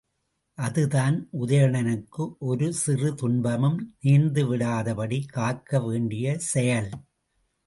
அதுதான், உதயணனுக்கு ஒரு சிறு துன்பமும் நேர்ந்துவிடாதபடி காக்கவேண்டிய செயல்.